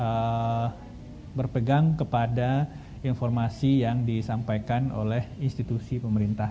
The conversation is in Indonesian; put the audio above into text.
dan sejauh ini kita cukup berpegang kepada informasi yang disampaikan oleh institusi pemerintah